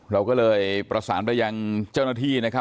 เราก็เลยประสานไปยังเจ้าหน้าที่นะครับ